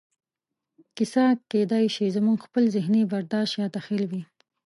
کیسه کېدای شي زموږ خپل ذهني برداشت یا تخیل وي.